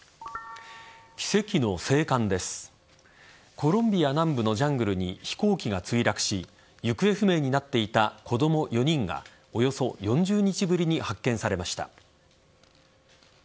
コロンビア南部のジャングルに飛行機が墜落し行方不明になっていた子供４人がおよそ４０日ぶりに発見されました。